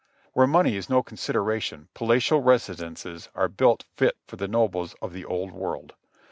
Where money is no consideration, palatial residences are built fit for the nobles of the old world.